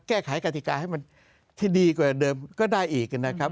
แก้ไขกฎิกาให้มันที่ดีกว่าเดิมก็ได้อีกนะครับ